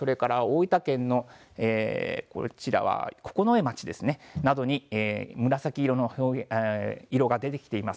大分県のこちらは九重町などに、紫色の色が出てきています。